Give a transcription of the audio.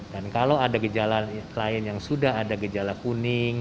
dan kalau ada gejala lain yang sudah ada gejala kuning